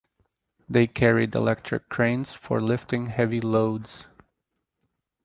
They carried electric cranes for lifting heavy loads.